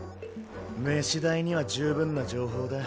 飯代には十分な情報だ。